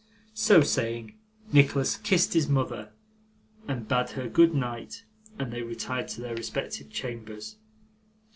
So saying, Nicholas kissed his mother, and bade her good night, and they retired to their respective chambers.